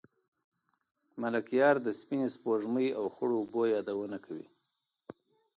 ملکیار د سپینې سپوږمۍ او خړو اوبو یادونه کوي.